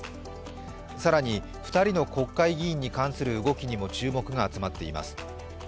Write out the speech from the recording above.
更に２人の国会議員に関する動きにも注目が集まっています。